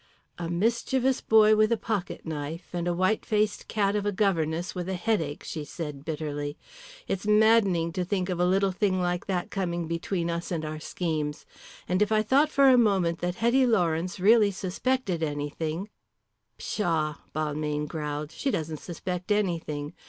"A mischievous boy with a pocket knife, and a white faced cat of a governess with a headache," she said, bitterly. "It's maddening to think of a little thing like that coming between us and our schemes. And if I thought for a moment that Hetty Lawrence really suspected anything " "Pshaw!" Balmayne growled. "She doesn't suspect anything.